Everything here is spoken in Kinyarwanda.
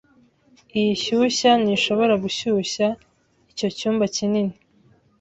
Iyi shyushya ntishobora gushyushya icyo cyumba kinini.